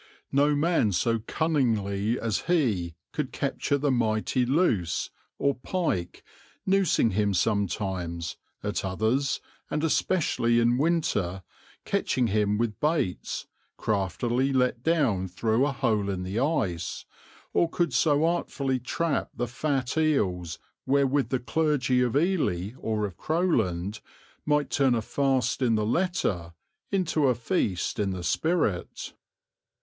No man so cunningly as he could capture the mighty luce or pike, noosing him sometimes, at others, and especially in winter, catching him with baits, craftily let down through a hole in the ice, or could so artfully trap the fat eels wherewith the clergy of Ely or of Crowland might turn a fast in the letter into a feast in the spirit.